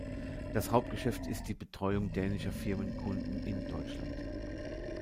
Das Hauptgeschäft ist die Betreuung Dänischer Firmenkunden in Deutschland.